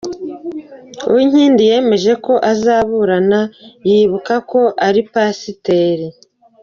Uwinkindi yemeje ko azaburana yibuka ko ari Pasiteri.